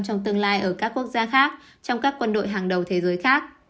trong tương lai ở các quốc gia khác trong các quân đội hàng đầu thế giới khác